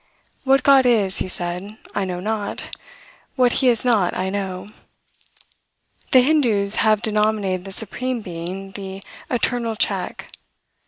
"What God is," he said, "I know not; what he is not I know." The Hindoos have denominated the Supreme Being, the "Internal Check."